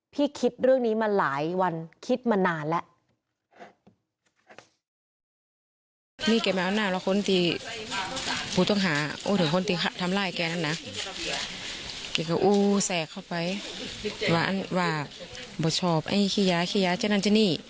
พี่คิดเรื่องนี้มาหลายวัน